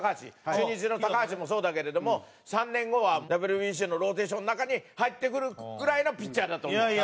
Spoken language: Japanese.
中日の橋もそうだけれども３年後はＷＢＣのローテーションの中に入ってくるぐらいのピッチャーだと思う。